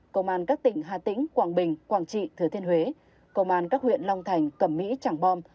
công an các tỉnh hà tĩnh quảng bình quảng trị thứa thiên huế công an các huyện long thành cẩm mỹ trảng bom